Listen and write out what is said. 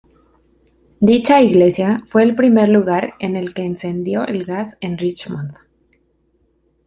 Dicha iglesia fue el primer lugar en el que encendió el gas en Richmond.